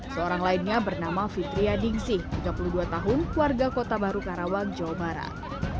seorang lainnya bernama fitria dingsih tiga puluh dua tahun warga kota baru karawang jawa barat